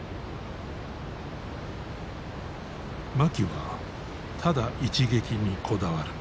槇はただ一撃にこだわる。